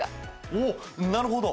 おおなるほど。